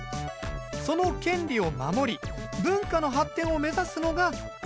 その権利を守り文化の発展を目指すのが著作権法。